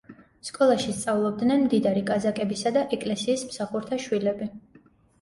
სკოლაში სწავლობდნენ მდიდარი კაზაკებისა და ეკლესიის მსახურთა შვილები.